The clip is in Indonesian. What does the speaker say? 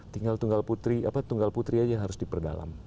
tinggal tunggal putri apa tunggal putri aja yang harus diperdalam